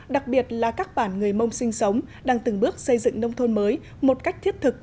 đặc biệt là các bản người mông sinh sống đang từng bước xây dựng nông thôn mới một cách thiết thực